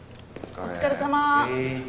お疲れさま。